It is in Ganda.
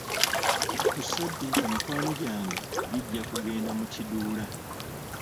Ku ssabbiiti mikwano gyange gijja kugenda mu kiduula.